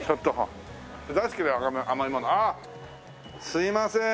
すいません。